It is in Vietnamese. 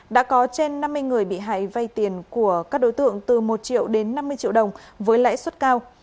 đã có trên năm mươi người bị hại vay tiền của các đối tượng từ một triệu đến năm mươi triệu đồng với lãi suất cao